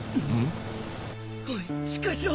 おいしっかりしろ！